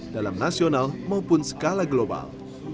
dalam nasional maupun skala global